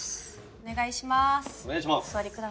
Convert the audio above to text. ・お願いします